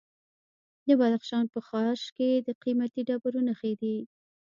د بدخشان په خاش کې د قیمتي ډبرو نښې دي.